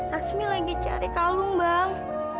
laksmi lagi cari kalung bang